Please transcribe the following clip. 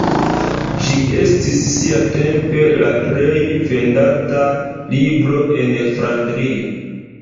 Ĝi estis siatempe la plej vendata libro en Flandrio.